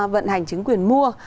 vận hành trứng quyền mua